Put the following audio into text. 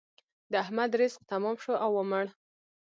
د احمد رزق تمام شو او ومړ.